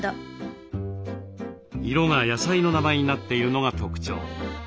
色が野菜の名前になっているのが特徴。